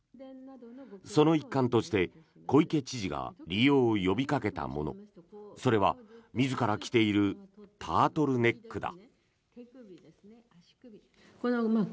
その一環として小池知事が利用を呼びかけたものそれは自ら着ているタートルネックだ。